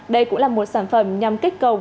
đây cũng là một sản phẩm nhằm kích cầu